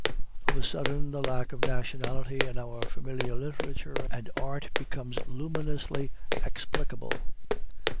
Of a sudden the lack of nationality in our familiar literature and art becomes luminously explicable.